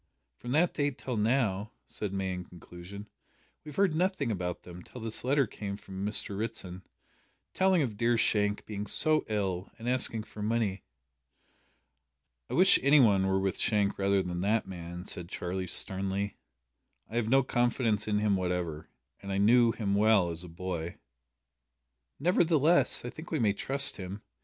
"From that date till now," said May in conclusion, "we have heard nothing about them till this letter came from Mr Ritson, telling of dear Shank being so ill, and asking for money." "I wish any one were with Shank rather than that man," said Charlie sternly; "I have no confidence in him whatever, and I knew him well as a boy." "Nevertheless, I think we may trust him.